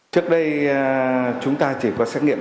trước đây chúng ta chỉ có xét nghiệm